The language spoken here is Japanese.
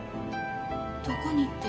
どこにって？